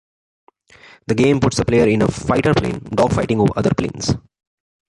The game puts the player in a fighter plane, dog fighting other planes.